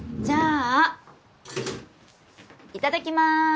じゃあいただきます。